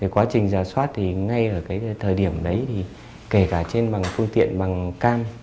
quá trình giả soát thì ngay ở thời điểm đấy thì kể cả trên bằng phương tiện bằng cam